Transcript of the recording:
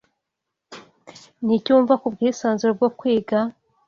Niki wumva kubwisanzure bwo kwiga